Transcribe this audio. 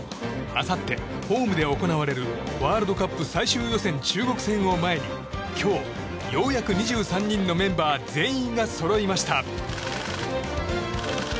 あさって、ホームで行われるワールドカップ最終予選中国戦を前に今日ようやく２３人のメンバー全員がそろいました。